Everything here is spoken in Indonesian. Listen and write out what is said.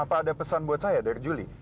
apa ada pesan buat saya dari juli